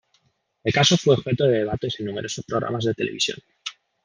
El caso fue objeto de debates en numerosos programas de televisión.